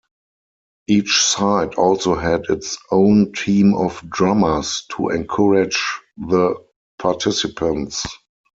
Each side also had its own team of drummers to encourage the participants.